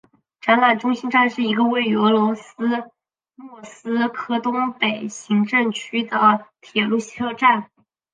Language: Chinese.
展览中心站是一个位于俄罗斯莫斯科东北行政区的铁路车站。